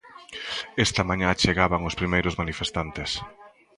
Esta mañá chegaban os primeiros manifestantes.